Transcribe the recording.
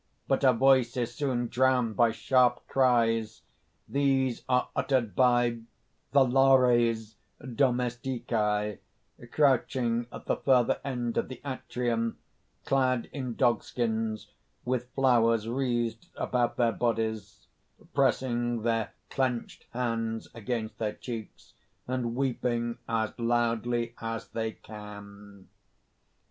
_ But her voice is soon drowned by sharp cries. These are uttered by The LARES DOMESTICI, _crouching at the further end of the atrium, clad in dog skins, with flowers wreathed about their bodies, pressing their clenched hands against their cheeks, and weeping as loudly as they can.